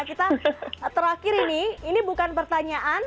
hari ini ini bukan pertanyaan